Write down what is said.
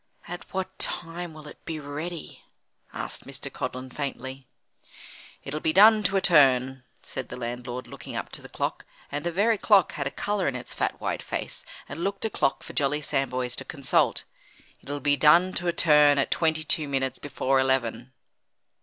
"At what time will it be ready?" asked Mr. Codlin, faintly. "It'll be done to a turn," said the landlord looking up to the clock and the very clock had a colour in its fat white face, and looked a clock for Jolly Sandboys to consult "it'll be done to a turn at twenty two minutes before eleven."